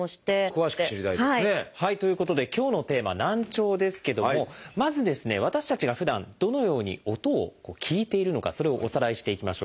詳しく知りたいですね。ということで今日のテーマ「難聴」ですけどもまず私たちがふだんどのように音を聞いているのかそれをおさらいしていきましょう。